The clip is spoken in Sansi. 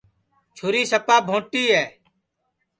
چھُری سپا بھونٚٹی ہے